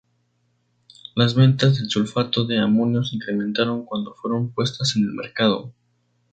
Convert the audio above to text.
Las ventas del sulfato de amonio se incrementaron cuando fueron puestas en el mercado.